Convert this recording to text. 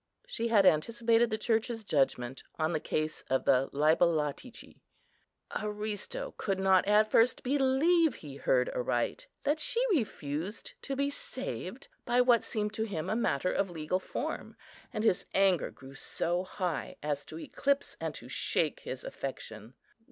She had anticipated the Church's judgment on the case of the Libellatici. Aristo could not at first believe he heard aright, that she refused to be saved by what seemed to him a matter of legal form; and his anger grew so high as to eclipse and to shake his affection.